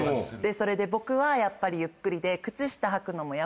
それで僕はやっぱりゆっくりで。